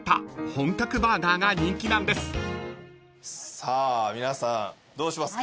さあ皆さんどうしますか？